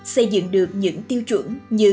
xây dựng được những tiêu chuẩn như